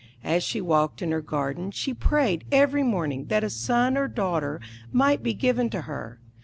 As she walked in her garden, she prayed every morning that a son or daughter might be given to her.